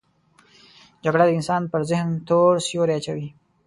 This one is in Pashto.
جګړه د انسان پر ذهن تور سیوری اچوي